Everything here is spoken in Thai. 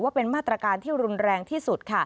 ว่าเป็นมาตรการที่รุนแรงที่สุด